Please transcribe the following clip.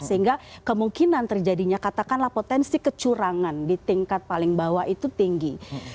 sehingga kemungkinan terjadinya katakanlah potensi kecurangan di tingkat paling bawah itu tinggi